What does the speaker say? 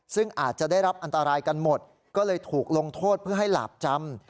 ซึ่งอาจจะได้รับอันตรายกันหมดก็เลยถูกลงโทษเพื่อให้หลาบจำ